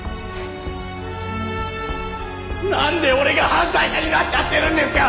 なんで俺が犯罪者になっちゃってるんですか！